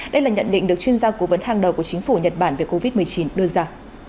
đây là nhận định được chuyên gia cố vấn hàng đầu của chính phủ nhật bản về covid một mươi chín đưa ra